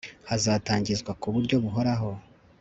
hazatangizwa ku buryo buhoraho